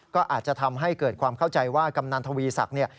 ก็อาจจะทำให้เกิดความเข้าใจว่ากำนันทวีศักดิ์เนี่ย